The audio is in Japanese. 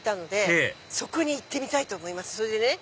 ええそこに行ってみたいと思います。